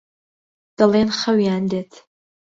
دەڵێن خەویان دێت.